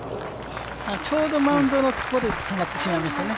ちょうどマウンドのところで止まってしまいましたね。